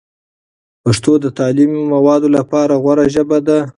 پښتو د تعلیمي موادو لپاره غوره ژبه ده.